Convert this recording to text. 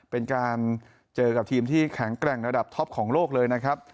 เป็นการเจอกับทีมที่แข็งแกร่งระดับท็อปของโลกเลยนะครับ